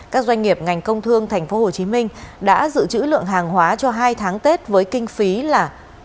các doanh nghiệp ngành công thương tp hcm đã dự trữ lượng hàng hóa cho hai tháng tết với kinh phí là